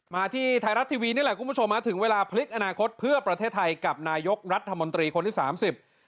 มาที่ไทยรัฐทีวีนี่แหละคุณผู้ชมฮะถึงเวลาพลิกอนาคตเพื่อประเทศไทยกับนายกรัฐมนตรีคนที่สามสิบ